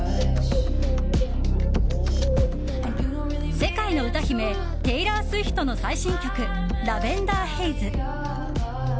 世界の歌姫テイラー・スウィフトの最新曲「ラヴェンダー・ヘイズ」。